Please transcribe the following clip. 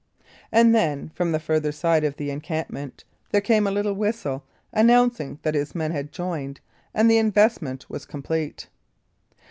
And then, from the further side of the encampment, there came a little whistle, announcing that his men had joined, and the investment was complete.